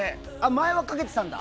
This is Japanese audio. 前はかけてたんだ。